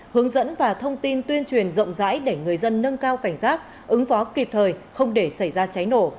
hướng dẫn và thông tin tuyên truyền rộng rãi để người dân nâng cao cảnh giác ứng phó kịp thời không để xảy ra cháy nổ